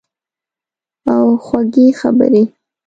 او خوږې خبرې